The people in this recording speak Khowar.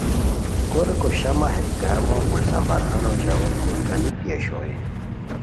کوریکو شامہ ہے گرامو گُلسمبر خانو ژاؤو پھور گانیک دی اوشوئے